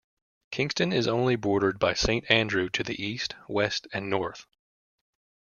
Kingston is only bordered by Saint Andrew to the east, west and north.